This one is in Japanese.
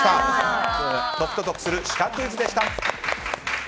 解くと得するシカクイズでした。